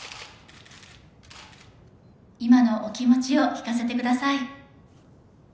今のお気持ちを聞かせてください